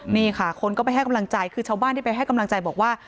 นี่ค่ะคนก็ไปให้กำลังใจคือชาวบ้านที่ไปให้กำลังใจบอกว่า